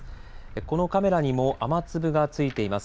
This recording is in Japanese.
このカメラにも雨粒がついています。